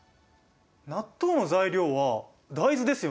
納豆の材料は大豆ですよね。